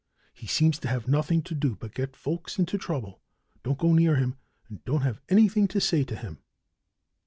"He seems to have nothing to do but get folks into trouble. Don't go near him, and don't have anything to say to him."